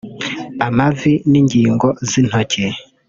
amavi n’ingingo z’intoki